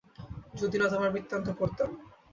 যদি না তোমার বৃত্তান্ত পড়তাম।